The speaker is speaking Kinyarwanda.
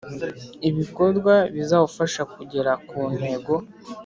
ibikorwa bizawufasha kugera ku ntego